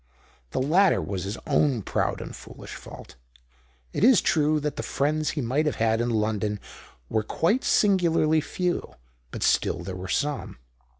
This latter was his own proud and foolish fault. It is true that the friends he might have ]iad in London were quite singularly few, but still there were some.